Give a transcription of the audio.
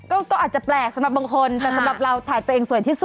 ก็อาจจะแปลกสำหรับบางคนแต่สำหรับเราถ่ายตัวเองสวยที่สุด